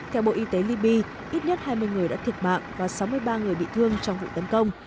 theo bộ y tế libya ít nhất hai mươi người đã thiệt mạng và sáu mươi ba người bị thương trong vụ tấn công